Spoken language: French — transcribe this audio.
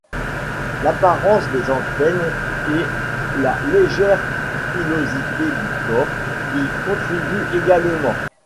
L'apparence des antennes et la légère pilosité du corps y contribuent également.